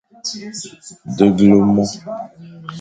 Deghle mo.